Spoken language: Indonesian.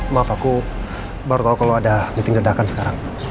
maaf aku baru tahu kalau ada meeting ledakan sekarang